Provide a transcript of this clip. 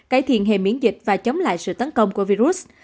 cải thiện hệ miễn dịch và chống lại sự tấn công của virus